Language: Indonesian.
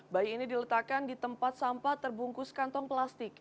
bayi ini diletakkan di tempat sampah terbungkus kantong plastik